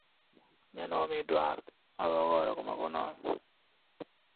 The Lehigh Valley Railroad depot at Roselle Park was rebuilt for the new service.